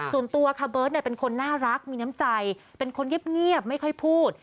ส่วนตัวค่ะเบิร์ตเป็นคนน่ารักมีน้ำใจเป็นคนเงียบไม่ค่อยพูด